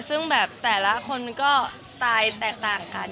ซึ่งแบบแต่ละคนก็สไตล์แตกต่างกัน